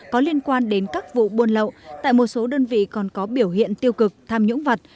có liên quan đến các vụ buôn lậu tại một số đơn vị còn có biểu hiện tiêu cực tham nhũng vật